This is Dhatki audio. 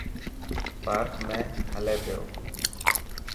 پارڪ ۾ هلي پيو.